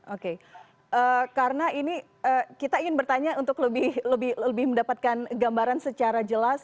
oke karena ini kita ingin bertanya untuk lebih mendapatkan gambaran secara jelas